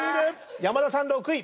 山田さん６位。